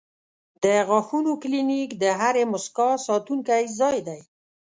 د غاښونو کلینک د هرې موسکا ساتونکی ځای دی.